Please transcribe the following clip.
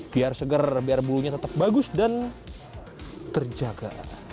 biar seger biar bulunya tetap bagus dan terjaga